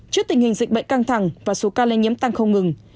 trước tình hình dịch bệnh căng thẳng và số ca lây nhiễm tăng không ngừng